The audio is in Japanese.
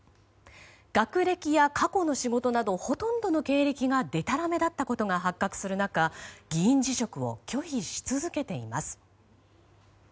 学歴や過去の仕事などほとんどの経歴がでたらめだったことが発覚する中議員辞職を拒否し続けています。